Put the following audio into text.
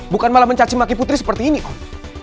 bukan malah mencacimaki putri seperti ini kok